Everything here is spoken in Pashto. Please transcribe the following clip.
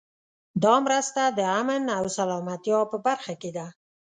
دا مرسته د امن او سلامتیا په برخه کې ده.